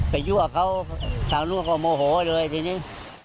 ไปยั่วเขาทางลูกเขาโมโหเลยทีนี้